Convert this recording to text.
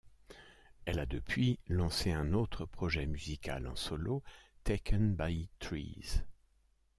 Elle a depuis lancé un autre projet musical en solo, Taken by Trees.